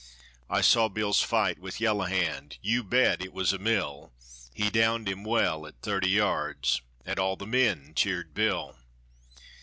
I saw Bill's fight with Yellow Hand, you bet it was a "mill"; He downed him well at thirty yards, and all the men cheered Bill.